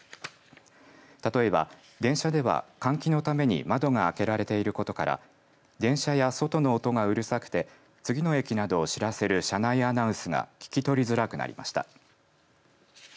例えば、車では換気のために窓が開けられていることから電車や外の音がうるさくて次の駅などを知らせる車内アナウンスが聞き取りづらくなりました。